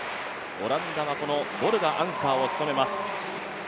オランダが、ボルがアンカーを務めます。